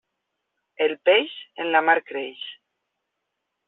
El peix, en la mar creix.